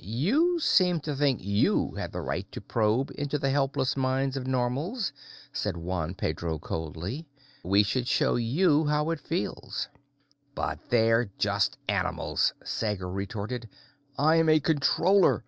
"You seemed to think you had the right to probe into the helpless minds of Normals," said Juan Pedro coldly. "We should show you how it feels." "But they're just animals!" Sager retorted. "I am a Controller!"